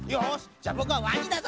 じゃあぼくはワニだぞ。